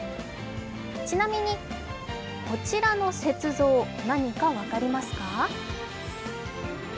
ちなみに、こちらの雪像、何か分かりますか？